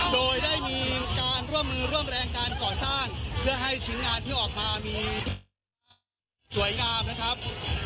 โดยได้มีการร่วมมือร่วมแรงการก่อสร้างเพื่อให้ชิ้นงานที่ออกมามีสวยงามนะครับ